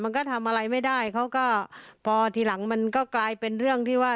มันก็ทำอะไรไม่ได้เขาก็พอทีหลังมันก็กลายเป็นเรื่องที่ว่า